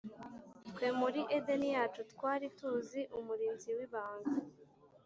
twe muri edeni yacu twari tuzi umurinzi wibanga